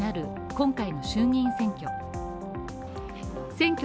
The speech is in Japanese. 今回の衆議院選挙。